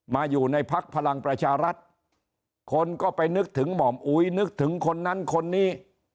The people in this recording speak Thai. อยู่ในพักพลังประชารัฐคนก็ไปนึกถึงหม่อมอุ๋ยนึกถึงคนนั้นคนนี้